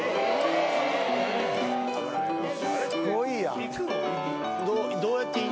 すごいやん。